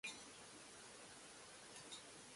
出しちゃえよそこに